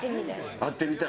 会ってみたい。